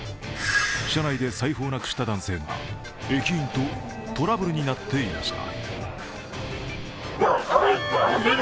車内で財布をなくした男性が駅員とトラブルになっていました。